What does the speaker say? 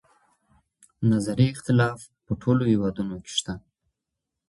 نظري اختلاف په ټولو هیوادونو کې شته.